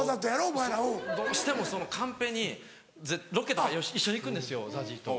お前ら。どうしてもカンペにロケとか一緒に行くんですよＺＡＺＹと。